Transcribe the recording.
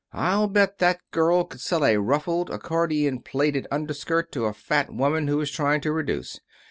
I'll bet that girl could sell a ruffled, accordion plaited underskirt to a fat woman who was trying to reduce.